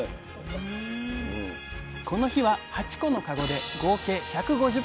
この日は８個のかごで合計１５０匹。